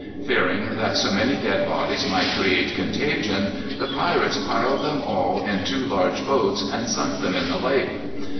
Fearing that so many dead bodies might create contagion, the pirates piled them all in two large boats, and sunk them in the lake.